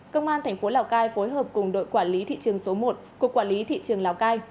công an thành phố lào cai phối hợp cùng đội quản lý thị trường số một của quản lý thị trường lào cai